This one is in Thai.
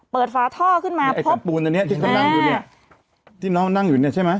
เปิดฟ้าท่อขึ้นมาพบแผ่นปูนอันเนี่ยที่เค้านั่งอยู่เนี่ยใช่ไหม